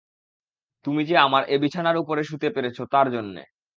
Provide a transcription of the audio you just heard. তুমি যে আমার এ বিছানার উপরে শুতে পেরেছ তার জন্যে।